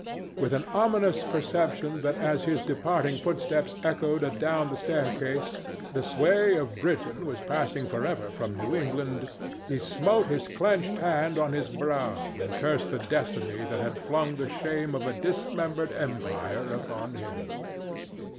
With an ominous perception that as his departing footsteps echoed adown the staircase the sway of Britain was passing for ever from New England, he smote his clenched hand on his brow and cursed the destiny that had flung the shame of a dismembered empire upon him.